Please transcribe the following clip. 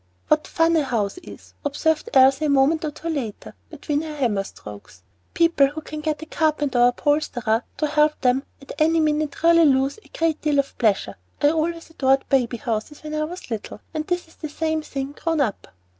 "What fun a house is!" observed Elsie a moment or two later, between her hammer strokes. "People who can get a carpenter or upholsterer to help them at any minute really lose a great deal of pleasure. I always adored baby houses when I was little, and this is the same thing grown up."